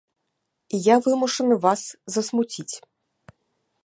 Я вымушаны вас засмуціць.